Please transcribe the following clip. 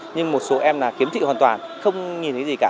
nhưng một số em kiếm thị hoàn toàn không nhìn thấy gì cả